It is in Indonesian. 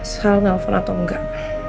soal nelfon atau enggak